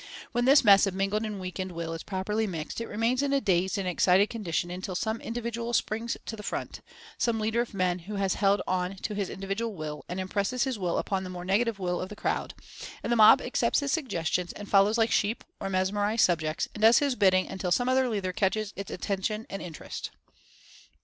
When this mess of mingled and weakened will is properly mixed it remains in a dazed and excited condition until some Individual springs to the front — some leader of men who has held on to his Individual Will — and impresses his Will upon the more negative Will of the crowd, and the mob accepts his suggestions and follows like sheep, or mesmerized subjects, and does his bidding until some other leader catches its attention and in terest.